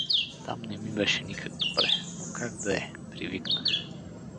Там не ми беше никак добре, но как да е, привикнах.